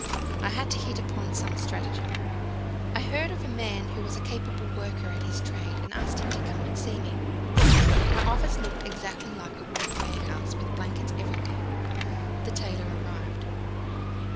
I had to hit upon some stratagem. I heard of a man who was a capable worker at his trade, and asked him to come and see me. My office looked exactly like a woollen warehouse, with blankets everywhere. The tailor arrived.